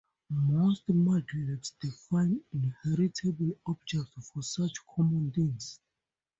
Most mudlibs define inheritable objects for such common things.